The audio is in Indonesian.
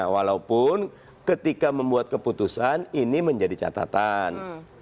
walaupun ketika membuat keputusan ini menjadi catatan